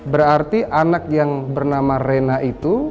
berarti anak yang bernama rena itu